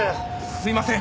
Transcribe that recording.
すいません。